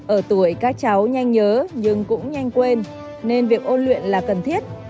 ở tuổi các cháu nhanh nhớ nhưng cũng nhanh quên nên việc ôn luyện là cần thiết